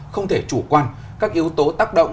không thể chủ quan các yếu tố tác động